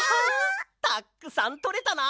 たくさんとれたな！